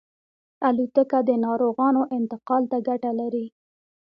الوتکه د ناروغانو انتقال ته ګټه لري.